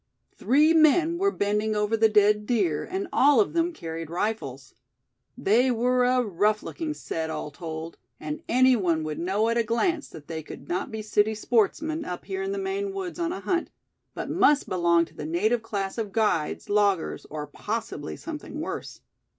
Three men were bending over the dead deer, and all of them carried rifles. They were a rough looking set, all told; and any one would know at a glance that they could not be city sportsmen, up here in the Maine woods on a hunt; but must belong to the native class of guides, loggers, or possibly something worse.